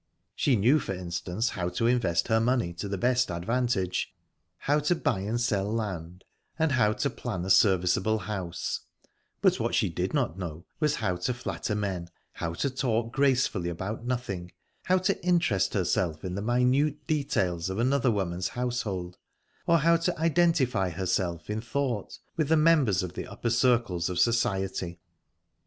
She knew, for instance, how to invest her money to the best advantage, how to buy and sell land, and how to plan a serviceable house; but what she did not know was how to flatter men, how to talk gracefully about nothing, how to interest herself in the minute details of another woman's household, or how to identify herself in thought with the members of the upper circles of society.